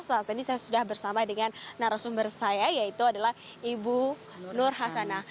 saat ini saya sudah bersama dengan narasumber saya yaitu adalah ibu nur hasana